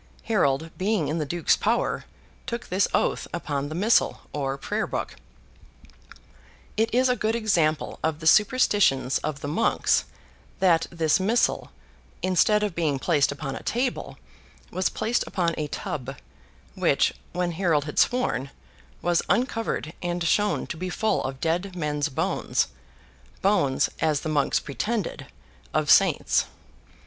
Harold, being in the Duke's power, took this oath upon the Missal, or Prayer book. It is a good example of the superstitions of the monks, that this Missal, instead of being placed upon a table, was placed upon a tub; which, when Harold had sworn, was uncovered, and shown to be full of dead men's bones—bones, as the monks pretended, of saints.